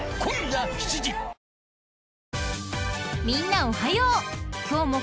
［みんなおはよう。